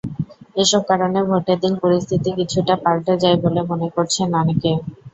এসব কারণে ভোটের দিন পরিস্থিতি কিছুটা পাল্টে যায় বলে মনে করছেন অনেকে।